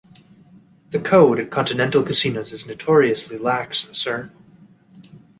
The code at Continental casinos is notoriously lax, sir.